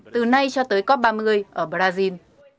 từ nay cho tới cop ba mươi ở brazil